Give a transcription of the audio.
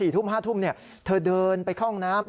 อ๋อ๔ทุ่ม๕ทุ่มเธอเดินไปกล้องน้ำ